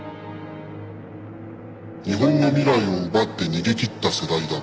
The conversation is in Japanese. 日本の未来を奪って逃げ切った世代だ。